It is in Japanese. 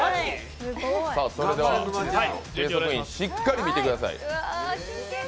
それでは計測員、しっかり見てください。